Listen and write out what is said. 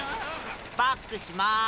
バックします。